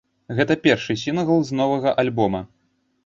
Гэта першы сінгл з новага альбома.